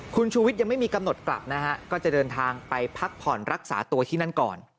คุณชูวิทย์ยังไม่มีกำหนดกลับนะฮะก็จะเดินทางไปพักผ่อนรักษาตัวที่นั่นก่อน